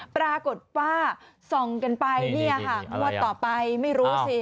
ปรากฏว่าส่องกันไปเนี่ยค่ะงวดต่อไปไม่รู้สิ